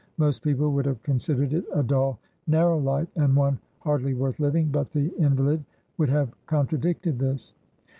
Most people would have considered it a dull, narrow life, and one hardly worth living; but the invalid would have contradicted this.